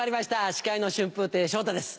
司会の春風亭昇太です。